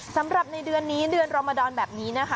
สำหรับในเดือนนี้เดือนรมดรแบบนี้นะคะ